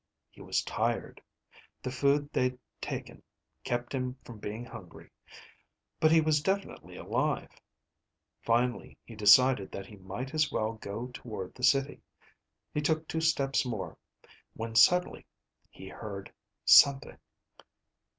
He was tired. The food they'd taken kept him from being hungry. But he was definitely alive. Finally he decided that he might as well go toward the city. He took two steps more, when suddenly he heard something."